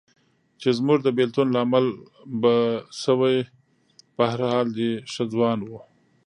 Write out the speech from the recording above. چې زموږ د بېلتون لامل به شوې، په هر حال دی ښه ځوان و.